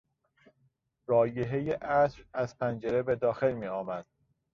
رایحهی عطر از پنجره به داخل میآمد.